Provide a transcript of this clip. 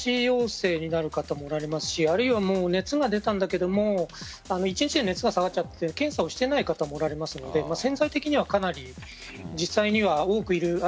陽性になる方もおられますし熱が出たんだけども１日で熱が下がって検査をしていない方もおられますので潜在的にはかなり実際には多くいる。